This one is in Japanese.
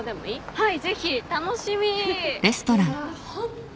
はい。